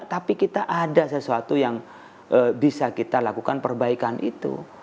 tapi kita ada sesuatu yang bisa kita lakukan perbaikan itu